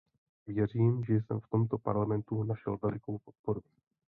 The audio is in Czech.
Věřím, že jsem v tomto Parlamentu našel velikou podporu.